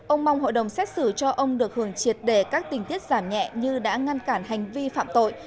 ông mong hội đồng xét xử cho ông được hưởng triệt để các tình tiết giảm nhẹ như đã ngăn cản hành vi phạm tội